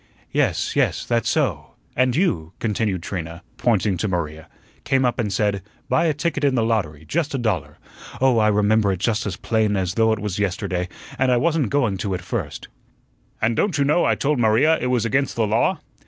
"Yes, yes. That's so; and you," continued Trina, pointing to Maria, "came up and said, 'Buy a ticket in the lottery; just a dollar.' Oh, I remember it just as plain as though it was yesterday, and I wasn't going to at first " "And don't you know I told Maria it was against the law?"